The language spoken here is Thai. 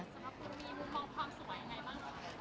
คุณมีมุมมองความสวยยังไงบ้าง